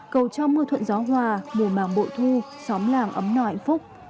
cầu cho mưa thuận gió hoa mùa màng bội thu xóm làng ấm nòi hạnh phúc